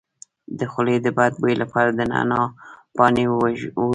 د خولې د بد بوی لپاره د نعناع پاڼې وژويئ